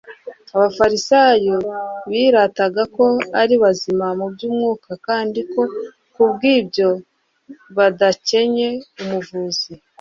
Abafarisayo birataga ko ari bazima mu by'umwuka kandi ko kubw' ibyo, badakencye umuvuzi,